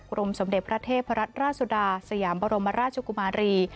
รมสมเด็จพระเทพรัตนราชสุดาสยามบรมราชกุมารี